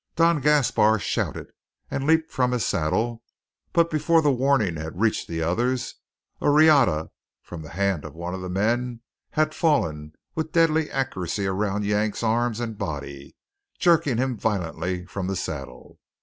Don Gaspar shouted and leaped from his saddle; but before the warning had reached the others, a riata from the hand of one of the men had fallen with deadly accuracy around Yank's arms and body, jerking him violently from the saddle.